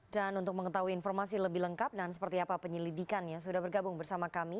dan untuk mengetahui informasi lebih lengkap dan seperti apa penyelidikannya sudah bergabung bersama kami